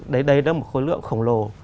đấy đó là một khối lượng khổng lồ